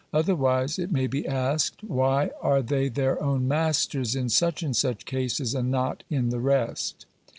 Otherwise it may be asked — why are they their own masters in such and such cases, and not in the rest